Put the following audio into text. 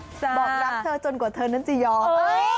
บอกรักเธอจนกว่าเธอนั้นจะยอม